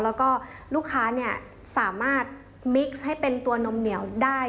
แล้วก็ลูกค้าเนี่ยสามารถมิกซ์ให้เป็นตัวนมเหนียวได้